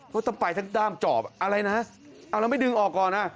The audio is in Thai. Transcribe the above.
ต้องไปทั้งด้ามจอบอะไรนะเอาแล้วไม่ดึงออกก่อนอ่ะ